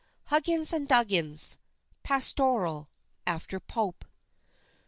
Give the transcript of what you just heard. HUGGINS AND DUGGINS. PASTORAL, AFTER POPE.